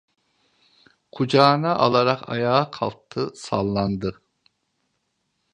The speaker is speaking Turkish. Kucağına alarak ayağa kalktı, sallandı.